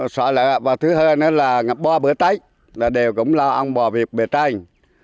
sợ lỡ và thứ hai nữa là bò bữa tết là đều cũng lo ông bò việt bề tranh